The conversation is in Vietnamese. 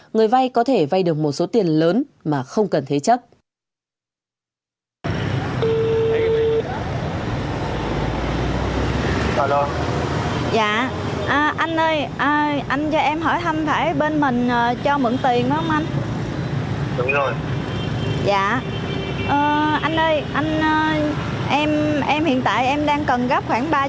người vay có thể vay được một số tiền lớn mà không cần thế chấp